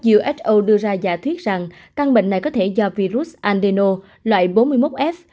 uso đưa ra giả thuyết rằng căn bệnh này có thể do virus andeno loại bốn mươi một f